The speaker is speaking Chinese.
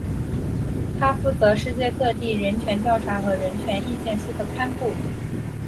它负责世界各地人权调查和人权意见书的刊布。